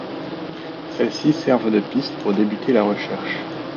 Celles-ci servent de pistes pour débuter la recherche.